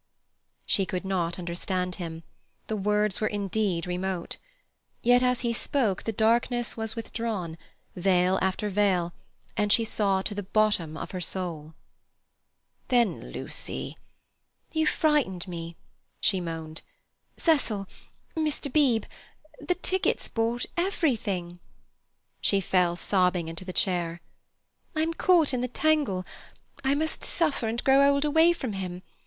She could not understand him; the words were indeed remote. Yet as he spoke the darkness was withdrawn, veil after veil, and she saw to the bottom of her soul. "Then, Lucy—" "You've frightened me," she moaned. "Cecil—Mr. Beebe—the ticket's bought—everything." She fell sobbing into the chair. "I'm caught in the tangle. I must suffer and grow old away from him.